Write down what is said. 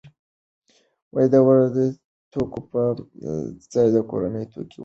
د وارداتي توکو په ځای کورني توکي وکاروئ.